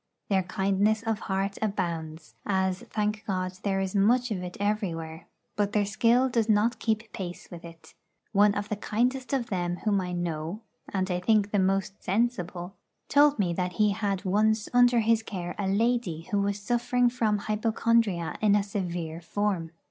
Their kindness of heart abounds as, thank God, there is much of it everywhere but their skill does not keep pace with it. One of the kindest of them whom I know, and I think the most sensible, told me that he had once under his care a lady who was suffering from hypochondria in a severe form.